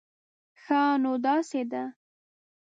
ښه، نو داسې ده